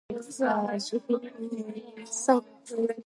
It would be hard for me to move it. It is very large.